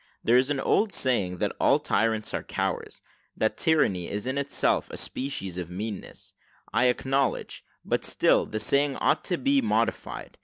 There is an old saying, that all tyrants are cowards, that tyranny is in itself a species of meanness, I acknowledge; but still the saying ought to be modified.